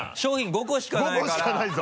５個しかないぞ。